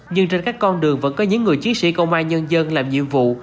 nhưng trên các con đường vẫn có những người chiến sĩ công an nhân dân làm nhiệm vụ